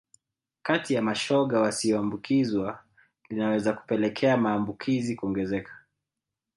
kati ya mashoga wasioambukizwa linaweza kupelekea maambukizi kuongezeka